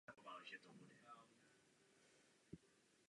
Jako kreativní producentka se věnuje vývoji nových televizních formátů.